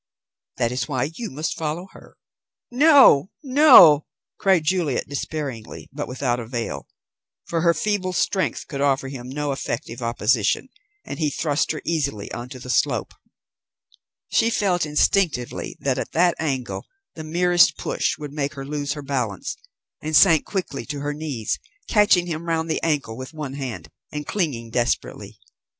That is why you must follow her." "No, no!" cried Juliet despairingly, but without avail, for her feeble strength could offer him no effective opposition, and he thrust her easily on to the slope. She felt instinctively that at that angle the merest push would make her lose her balance, and sank quickly to her knees, catching him round the ankle with one hand, and clinging desperately.